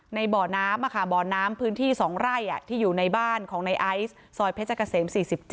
บ่อน้ำบ่อน้ำพื้นที่๒ไร่ที่อยู่ในบ้านของในไอซ์ซอยเพชรเกษม๔๗